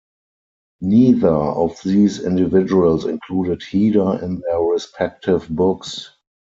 Neither of these individuals included Heda in their respective books.